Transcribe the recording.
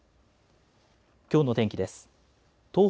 きょうの天気です。